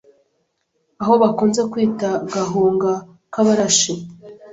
aho bakunze kwita “Gahunga k’Abarashi